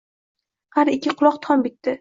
har ikki quloq tom bitdi